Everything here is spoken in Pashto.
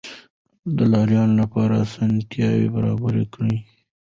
د لارويانو لپاره اسانتیاوې برابرې کړئ.